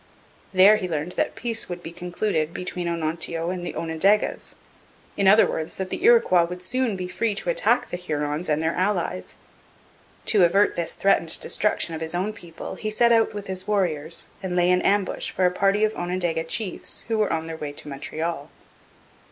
There he learned that peace would be concluded between Onontio and the Onondagas in other words, that the Iroquois would soon be free to attack the Hurons and their allies. To avert this threatened destruction of his own people, he set out with his warriors and lay in ambush for a party of Onondaga chiefs who were on their way to Montreal.